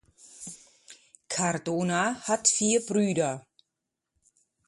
Cardona hat vier Brüder.